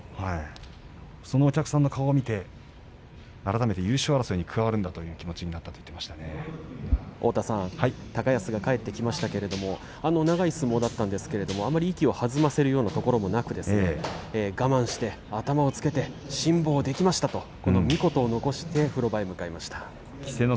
そのお客さんの顔を見て改めて優勝争いに加わるんだという気持ちになったと高安が帰ってきましたけれども長い相撲だったんですがあまり息を弾ませるようなところもなく我慢して、頭をつけて辛抱できましたとこの三言を残して風呂場に向かいました。